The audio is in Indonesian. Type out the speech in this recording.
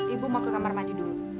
ibu mau ke kamar mandi dulu